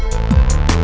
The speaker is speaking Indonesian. gak ada yang nungguin